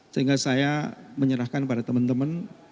sehingga saya menyerahkan pada teman teman